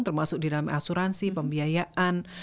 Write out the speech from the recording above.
termasuk di dalam asuransi pembiayaan